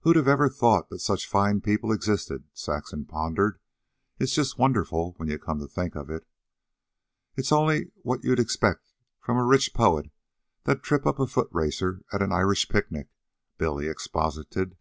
"Who'd have ever thought that such fine people existed?" Saxon pondered. "It's just wonderful, when you come to think of it." "It's only what you'd expect from a rich poet that'd trip up a foot racer at an Irish picnic," Billy exposited.